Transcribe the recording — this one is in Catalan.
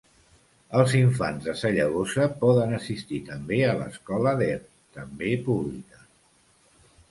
Els infants de Sallagosa poden assistir també a l'escola d'Er, també pública.